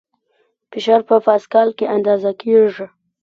فشار په پاسکال کې اندازه کېږي.